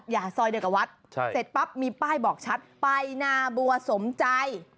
ซอยเดียวกับวัดเสร็จปั๊บมีป้ายบอกชัดไปนาบัวสมใจ